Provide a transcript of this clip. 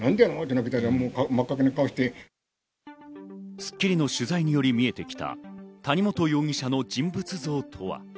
『スッキリ』の取材により見えてきた谷本容疑者の人物像とは？